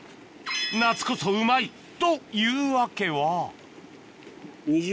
夏こそうまい！という訳は？